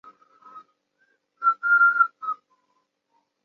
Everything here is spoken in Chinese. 绽灰蝶属是线灰蝶亚科美灰蝶族中的一个属。